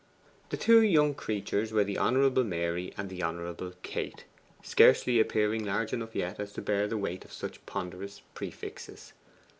These two young creatures were the Honourable Mary and the Honourable Kate scarcely appearing large enough as yet to bear the weight of such ponderous prefixes.